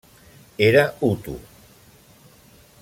Era hutu.